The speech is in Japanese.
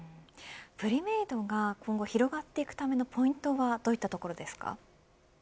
プリメイドが今後、広がっていくためのポイントはどういったところですか。